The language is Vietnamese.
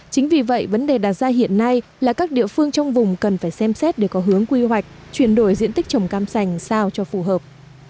chính vì vậy vấn đề đặt ra hiện nay là các địa phương trong vùng cần phải xem xét để có hướng quy hoạch chuyển đổi diện tích trồng cam sành sao cho phù hợp